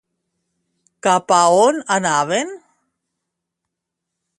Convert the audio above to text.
Cap a on anaven?